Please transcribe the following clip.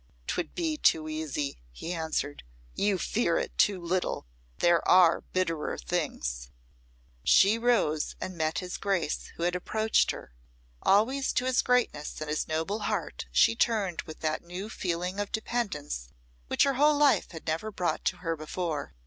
"'Twould be too easy," he answered. "You fear it too little. There are bitterer things." She rose and met his Grace, who had approached her. Always to his greatness and his noble heart she turned with that new feeling of dependence which her whole life had never brought to her before.